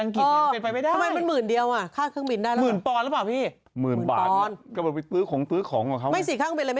ก็เสียเงินนี่แหละ